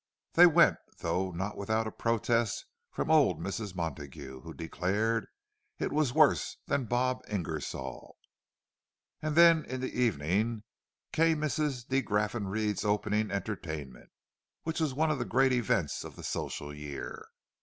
They went—though not without a protest from old Mrs. Montague, who declared it was "worse than Bob Ingersoll." And then, in the evening, came Mrs. de Graffenried's opening entertainment, which was one of the great events of the social year.